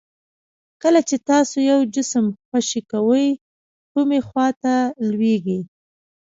کله چې تاسو یو جسم خوشې کوئ کومې خواته لویږي؟